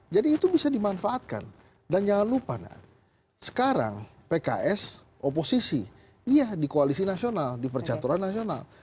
jadi itu bisa dimanfaatkan dan jangan lupa nana sekarang pks oposisi iya di koalisi nasional di percaturan nasional